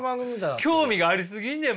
興味がありすぎんねん